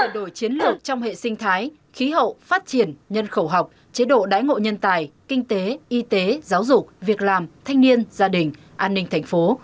đổi chiến lược trong hệ sinh thái khí hậu phát triển nhân khẩu học chế độ đái ngộ nhân tài kinh tế y tế giáo dục việc làm thanh niên gia đình an ninh thành phố